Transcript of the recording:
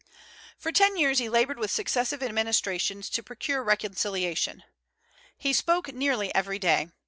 For ten years he labored with successive administrations to procure reconciliation. He spoke nearly every day.